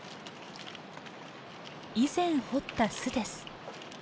以前掘った巣です。